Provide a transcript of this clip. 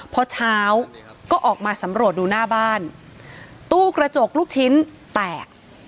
พอเช้าก็ออกมาสำรวจดูหน้าบ้านตู้กระจกลูกชิ้นแตก